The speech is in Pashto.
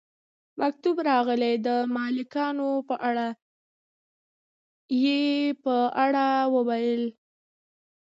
مکتوب راغلی د ملکانو په اړه، یې په اړه وویل.